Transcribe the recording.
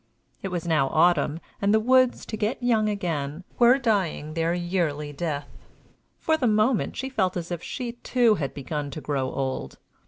It was now autumn, and the woods, to get young again, were dying their yearly death. For the moment she felt as if she, too, had begun to grow old.